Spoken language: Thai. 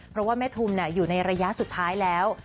เพราะว่าแม่ทุมอยู่ในระยะสุดท้ายแล้ว